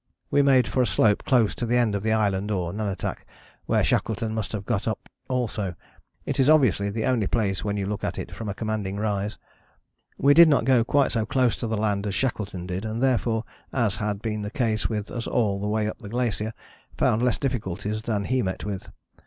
We made for a slope close to the end of the island or nunatak, where Shackleton must have got up also; it is obviously the only place when you look at it from a commanding rise. We did not go quite so close to the land as Shackleton did, and therefore, as had been the case with us all the way up the glacier, found less difficulties than he met with.